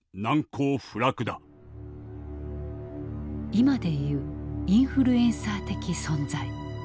今で言うインフルエンサー的存在。